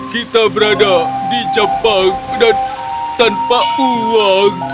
kita berada di jepang dan tanpa uang